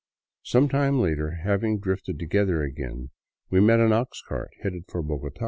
Some time later, having drifted together again, we met an ox cart headed for Bogota.